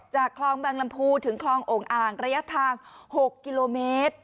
คลองบางลำพูถึงคลองโอ่งอ่างระยะทาง๖กิโลเมตร